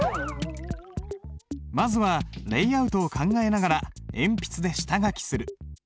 まずはレイアウトを考えながら鉛筆で下書きする。